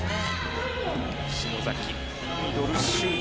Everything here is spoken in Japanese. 篠崎、ミドルシュート。